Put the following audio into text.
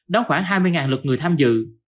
đóng khoảng hai mươi lượt người tham dự